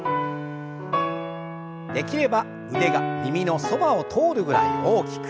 できれば腕が耳のそばを通るぐらい大きく。